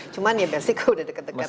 cuma nih bersih kok udah dekat dekat